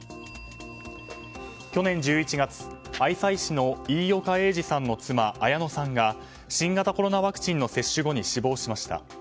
去年１１月愛西市の飯岡英治さんの妻綾乃さんが新型コロナワクチンの接種後に死亡しました。